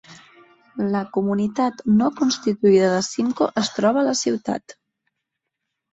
La comunitat no constituïda de Symco es troba a la ciutat.